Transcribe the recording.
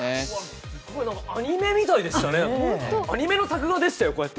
すごいアニメみたいでしたね、アニメの作画でしたよ。